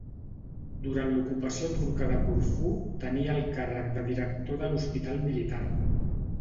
Durant l'ocupació turca de Corfú tenia el càrrec de director de l'hospital militar.